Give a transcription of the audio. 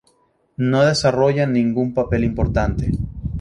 No desarrolla ningún papel importante.